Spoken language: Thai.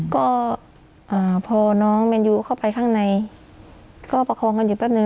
ก็พอน้องแมนยูเข้าไปข้างในก็ประคองกันอยู่แป๊บนึ